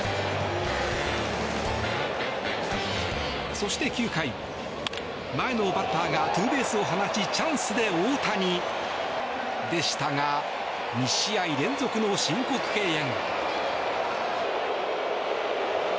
そして９回、前のバッターがツーベースを放ちチャンスで大谷でしたが２試合連続の申告敬遠。